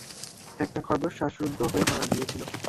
একটা খরগোশ শ্বাসরুদ্ধ হয়ে মারা গিয়েছিল।